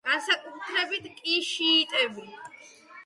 განსაკუთრებით კი შიიტები.